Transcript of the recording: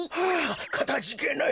かたじけない。